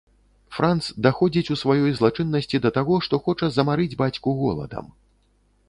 Франц даходзіць у сваёй злачыннасці да таго, што хоча замарыць бацьку голадам.